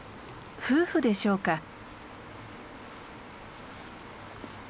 夫婦でしょうか。